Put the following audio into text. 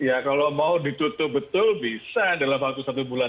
ya kalau mau ditutup betul bisa dalam waktu satu bulan